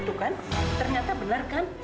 itu kan ternyata benar kan